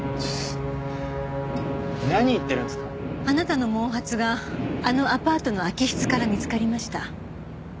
あなたの毛髪があのアパートの空き室から見つかりました。